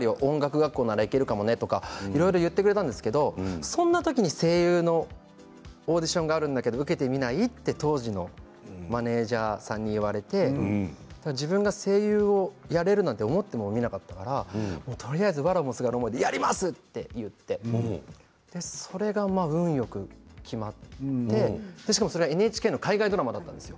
学校にいけるかもねとかそんな時に声優のオーディションがあるんだけど受けてみない？と当時のマネージャーさんに言われて自分が声優をやれるなんて思ってもみなかったからとりあえず、わらをもすがる思いでやりますと言ってそれが運よく決まってそれがＮＨＫの海外ドラマだったんです。